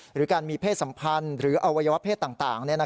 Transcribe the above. หรือการมีเพศสัมพันธ์หรืออวัยวะเพศต่าง